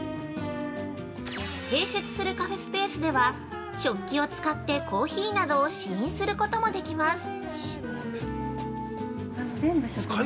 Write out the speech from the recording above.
併設するカフェスペースでは、食器を使ってコーヒなどを試飲することもできます。